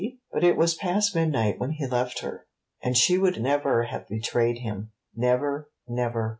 She? But it was past midnight when he left her. And she would never have betrayed him, never, never.